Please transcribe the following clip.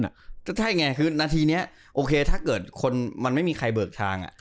ใช่ไงคือนาทีนี้โอเคถ้าเกิดคนมันไม่มีใครเบิกทาง